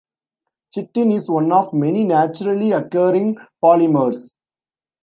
Chitin is one of many naturally occurring polymers.